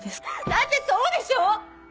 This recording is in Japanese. だってそうでしょ